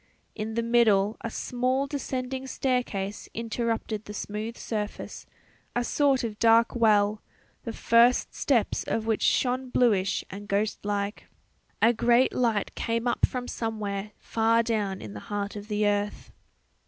In the middle a small descending staircase interrupted the smooth surface a sort of dark well, the first steps of which shone bluish and ghost like. A great light came up from somewhere far down in the heart of the earth.